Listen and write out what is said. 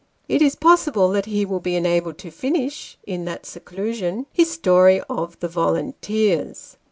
It is possible that he will be enabled to finish, in that seclusion, his story of the volunteers.